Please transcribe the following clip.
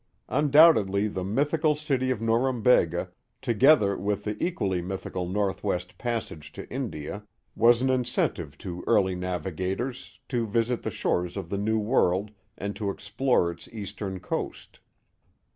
Undoubtedly the mythical city of Norumbega, together with the equally mythical North west Passage to India, was an incentive to early navigators, to visit the shores of the New World and to explore its eastern coast.